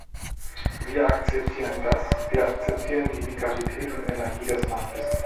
Wir akzeptieren das, wir akzeptieren die Vitalität und Energie des Marktes.